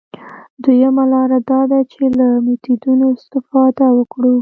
دویمه لاره دا ده چې له میتودونو استفاده وکړو.